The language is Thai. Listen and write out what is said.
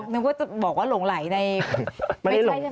อ๋อนึกว่าจะบอกว่าหลงไหลในไม่ใช่ใช่ไหม